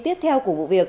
tiếp theo của vụ việc